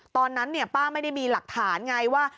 ตอนนั้นป้าไม่ได้มีหลักฐานไงว่า